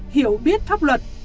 hiểu biết pháp luật